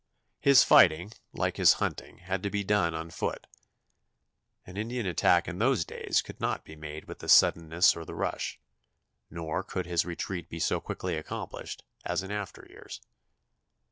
His fighting, like his hunting, had to be done on foot. An Indian attack in those days could not be made with the suddenness or the rush, nor could his retreat be so quickly accomplished, as in after years.